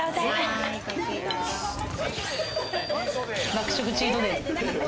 爆食チートデイ！